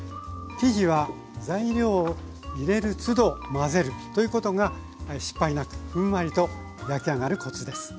生地は材料を入れるつど混ぜるということが失敗なくふんわりと焼き上がるコツです。